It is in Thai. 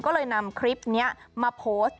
ก็เลยนำคลิปนี้มาโพสต์